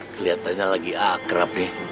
keliatannya lagi akrab nih